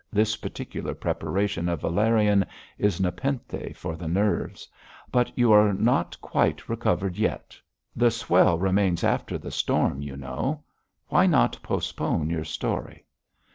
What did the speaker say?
This particular preparation of valerian is nepenthe for the nerves. But you are not quite recovered yet; the swell remains after the storm, you know. Why not postpone your story?'